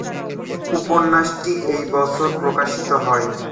উপন্যাসটি একই বছর প্রকাশিত হয়।